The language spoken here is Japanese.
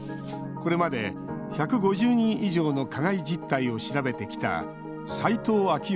これまで１５０人以上の加害実態を調べてきた斉藤章